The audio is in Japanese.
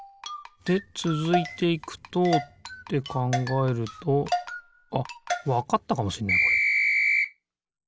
でつづいていくとってかんがえるとあっわかったかもしんない